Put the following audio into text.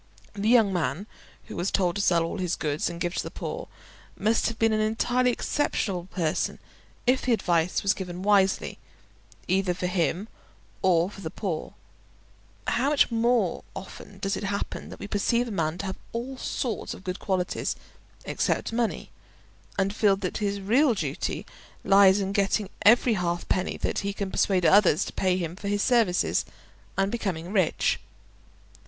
The young man who was told to sell all his goods and give to the poor, must have been an entirely exceptional person if the advice was given wisely, either for him or for the poor; how much more often does it happen that we perceive a man to have all sorts of good qualities except money, and feel that his real duty lies in getting every half penny that he can persuade others to pay him for his services, and becoming rich.